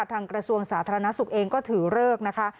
กระทรวงสาธารณสุขเองก็ถือเลิกนะคะ